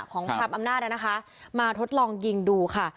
ของครามอำนาจนะคะมาทดลองยิงดูค่ะ